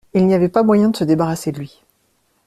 Il n’y avait pas moyen de se débarrasser de lui.